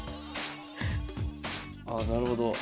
ああなるほど。